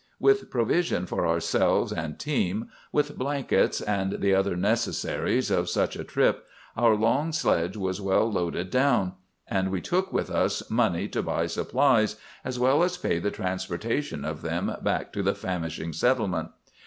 With provision for ourselves and team, with blankets and the other necessaries of such a trip, our long sledge was well loaded down; and we took with us money to buy supplies, as well as pay the transportation of them back to the famishing settlement.